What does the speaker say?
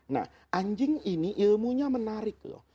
nah anjing ini ilmunya menarik loh